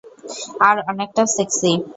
আর অনেকটা সেক্সি।